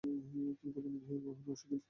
তিনি পদোন্নতি গ্রহণে অস্বীকৃতি জানান।